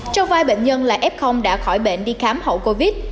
trong vai bệnh nhân là f đã khỏi bệnh đi khám hậu covid